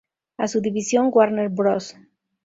A su División Warner Bros.